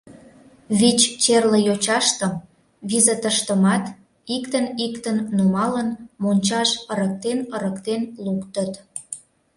Вич черле йочаштым визытыштымат, иктын-иктын нумалын, мончаш ырыктен-ырыктен луктыт.